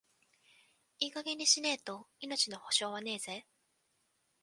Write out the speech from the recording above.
いい加減にしねえと、命の保証はねえぜ。